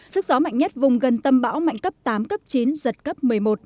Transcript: sức gió mạnh nhất vùng gần tâm bão mạnh cấp tám cấp chín giật cấp một mươi một